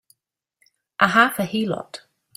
A half a heelot!